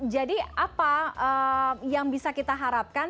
jadi apa yang bisa kita harapkan